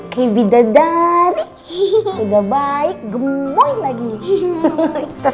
kita mau habisin semuanya